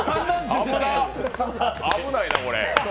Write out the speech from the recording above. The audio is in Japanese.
危ないな、これ。